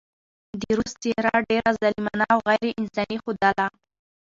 د روس څهره ډېره ظالمانه او غېر انساني ښودله.